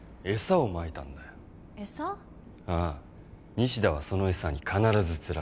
西田はその餌に必ず釣られる。